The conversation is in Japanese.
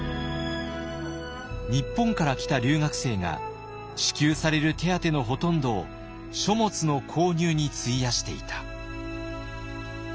「日本から来た留学生が支給される手当のほとんどを書物の購入に費やしていた」。